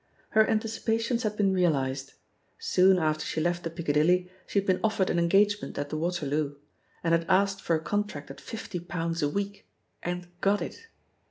Her anticipations had been realised. Soon after she left the Piccadilly she had been offered an engagement at the Waterloo — and had asked for a contract at fifty pounds a week, and got it.